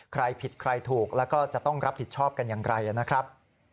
ใครผิดใครถูกแล้วก็จะต้องรับผิดชอบกันอย่างไรนะครับ